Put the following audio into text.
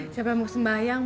siapa yang mau sembahyang